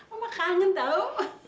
oma kangen tau